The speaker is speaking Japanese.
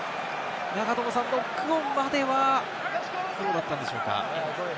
ノックオンまではよかったんでしょうか？